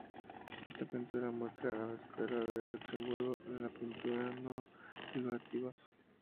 Esta pintura muestra a la Escuela de Luxemburgo de la pintura no figurativa.